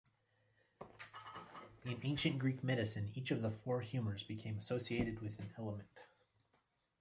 In ancient Greek medicine, each of the four humours became associated with an element.